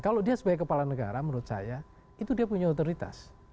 kalau dia sebagai kepala negara menurut saya itu dia punya otoritas